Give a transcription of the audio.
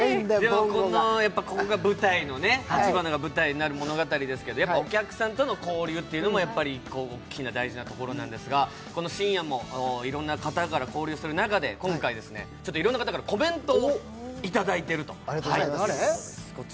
ここのたちばなが舞台になる物語ですけど、お客さんとの交流も大きな、大事なところなんですが、信也もいろいろな方と交流する中で、今回いろいろな方からコメントをいただいています。